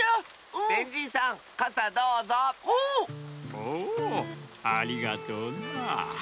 おおありがとうな。